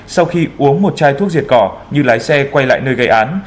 sau khi uống một chai thuốc diệt cỏ như lái xe quay lại nơi gây án